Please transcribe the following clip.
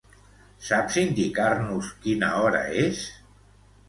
Saps indicar-nos quina hora és?